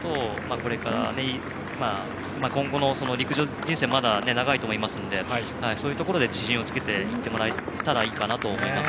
これから、今後の陸上人生まだ長いと思いますのでそういうところで自信をつけていってもらいたいなと思います。